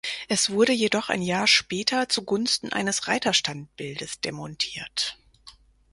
Es wurde jedoch ein Jahr später zugunsten eines Reiterstandbildes demontiert.